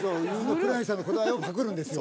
黒柳さんの答えをパクるんですよ